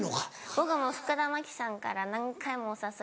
僕も福田麻貴さんから何回もお誘い。